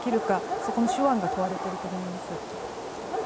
そこの手腕が問われていると思います。